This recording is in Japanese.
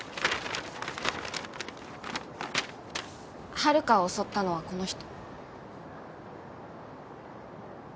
遥を襲ったのはこの人。